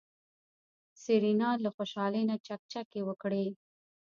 سېرېنا له خوشحالۍ نه چکچکې وکړې.